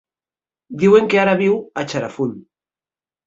Diuen que ara viu a Xarafull.